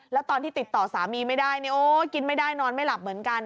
แล้วตอนที่ติดต่อสามีไม่ได้กินไม่ได้นอนไม่หลับเหมือนกัน